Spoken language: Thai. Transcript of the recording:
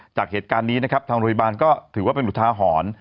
จากเหตุการณ์นี้นะครับทางโรงพยาบาลก็ถือว่าเป็นอุทาหรณ์